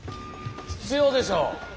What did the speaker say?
必要でしょう。